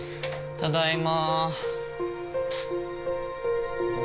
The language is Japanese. ただいま。